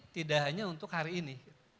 tidak hanya untuk hari ini